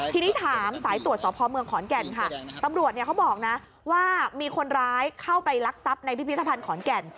ทีนี้ถามสายตรวจสอบพอเมืองขอนแก่นค่ะตำรวจเนี่ยเขาบอกนะว่ามีคนร้ายเข้าไปลักทรัพย์ในพิพิธภัณฑ์ขอนแก่น